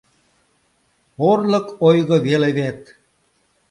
Орлык-ойго веле вет!